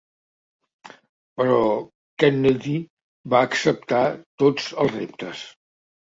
Però Kennedy va acceptar tots els reptes.